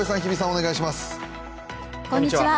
お願いします。